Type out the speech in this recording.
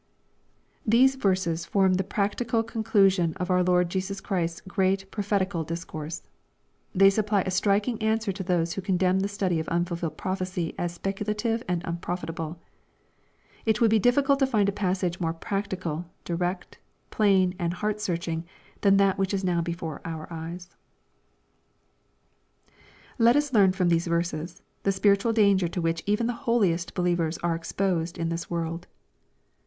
These verses form the practical conclusion of our Lord Jesus Christ's great prophetical discourse. They supply a striking answer to those who condemn the study of unfulfilled prophecy as speculative and unprofitable. It would be difficult to find a passage more practical, di rect, plain, and heart searching tJ^an that which is now before our eyes. Let us learn from these verses, the spiritual danger to which even the holiest believers are exposed in this world.